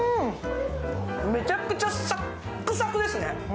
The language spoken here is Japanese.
めちゃくちゃサックサクですね。